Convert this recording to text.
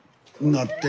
なって。